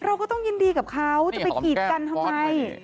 เราก็ต้องยินดีกับเขาจะไปกีดกันทำไม